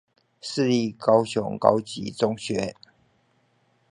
市立高雄高級中學